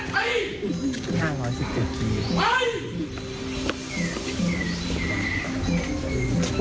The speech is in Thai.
ไม่รู้จับทีจำนิดพร้อม